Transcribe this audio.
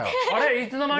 いつの間に？